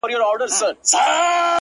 دا ستا خبري مي د ژوند سرمايه ـ